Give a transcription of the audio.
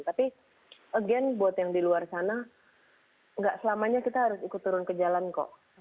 tapi again buat yang di luar sana nggak selamanya kita harus ikut turun ke jalan kok